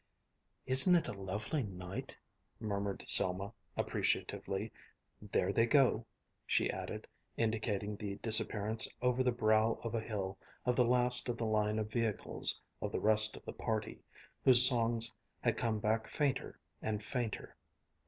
"Isn't it a lovely night?" murmured Selma appreciatively. "There they go," she added, indicating the disappearance over the brow of a hill of the last of the line of vehicles of the rest of the party, whose songs had come back fainter and fainter.